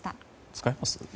使います？